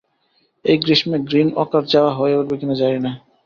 এ গ্রীষ্মে গ্রীনএকার যাওয়া হয়ে উঠবে কিনা জানি না।